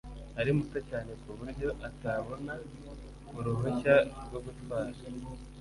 Ari muto cyane kuburyo atabona uruhushya rwo gutwara.